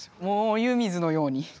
もう湯水のように。